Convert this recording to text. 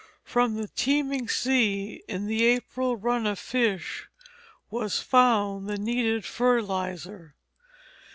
From the teeming sea, in the April run of fish, was found the needed fertilizer.